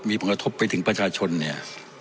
มีผลกระทบไปถึงประชาชนเนี่ย